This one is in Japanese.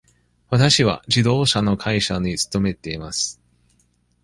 わたしは自動車の会社に勤めています。